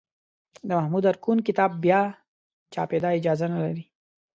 د محمد ارکون کتاب بیا چاپېدا اجازه نه لري.